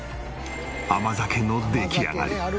甘酒の出来上がり。